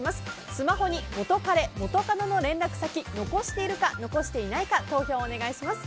スマホに元彼・元カノの連絡先残しているか、残していないか投票をお願いします。